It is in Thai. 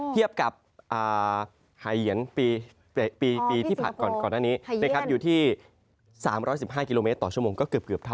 เทียบกับหายเหยียนปีที่ผ่านมาก่อนหน้านี้อยู่ที่๓๑๕กิโลเมตรต่อชั่วโมงก็เกือบเท่า